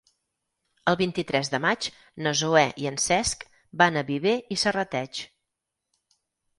El vint-i-tres de maig na Zoè i en Cesc van a Viver i Serrateix.